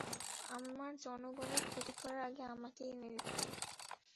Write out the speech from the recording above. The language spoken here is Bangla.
আমার জনগণের ক্ষতি করার আগে আমাকেই মেরে ফেলো।